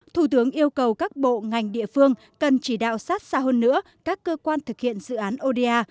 thủ tướng yêu cầu các bộ ngành địa phương cần chỉ đạo sát sao hơn nữa các cơ quan thực hiện dự án oda